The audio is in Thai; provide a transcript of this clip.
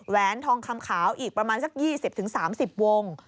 แหนทองคำขาวอีกประมาณสัก๒๐๓๐วง